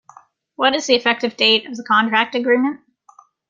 What is the effective date of the contract agreement?